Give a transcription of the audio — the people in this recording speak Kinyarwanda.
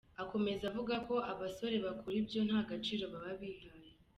Akomeza avuga ko abasore bakora ibyo nta gaciro baba bihaye.